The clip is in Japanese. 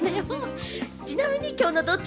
ちなみに今日のドッチ？